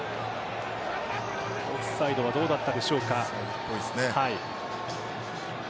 オフサイドはどうだったでしょうか。